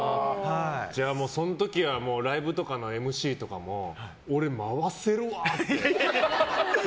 その時はライブとかのＭＣとかも俺回せるわーって？